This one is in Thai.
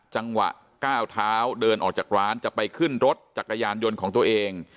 จังหวะก้าวเท้าเดินออกจากร้านจะไปขึ้นรถจักรยานยนต์ของตัวเอง